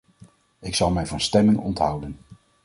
Ik zal mij van stemming onthouden.